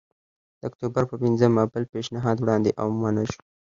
د اکتوبر په پنځمه بل پېشنهاد وړاندې او ومنل شو